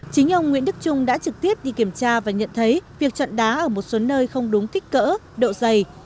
chính ông nguyễn đức trung đã trực tiếp đi kiểm tra và nhận thấy việc chọn đá ở một số nơi không đúng kích cỡ độ dày